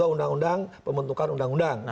undang undang pembentukan undang undang